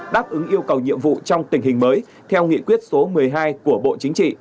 đáp ứng yêu cầu nhiệm vụ trong tình hình mới theo nghị quyết số một mươi hai của bộ chính trị